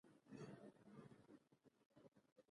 په دې صورت کې د دواړو طبقو ترمنځ ځانګړې اړیکې جوړیږي.